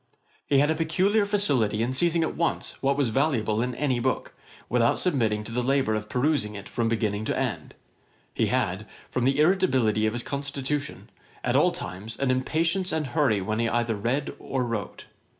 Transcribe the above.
He had a peculiar facility in seizing at once what was valuable in any book, without submitting to the labour of perusing it from beginning to end. He had, from the irritability of his constitution, at all times, an impatience and hurry when he either read or wrote.